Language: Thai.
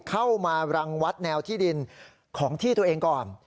เข้ามารังวัดแนวที่ดินของที่ตัวเองก่อน